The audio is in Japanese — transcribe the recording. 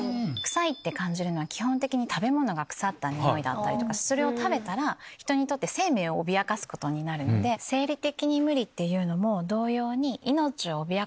臭いって感じるのは基本的に食べ物が腐ったニオイだったりそれを食べたら人にとって生命を脅かすことになるので生理的に無理っていうのも同様に命を脅かすもの。